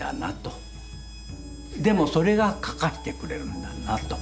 でもそれが描かせてくれるんだなと。